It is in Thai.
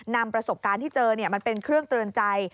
นำประสบการณ์ที่เจอมันเป็นเครื่องเตือนใจ